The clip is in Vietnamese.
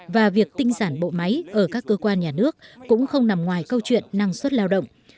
và việc tinh giản bộ máy ở các cơ quan nhà nước cũng không nằm ngoài câu chuyện năng suất lao động